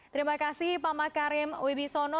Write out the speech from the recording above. terima kasih pak makarim wibisono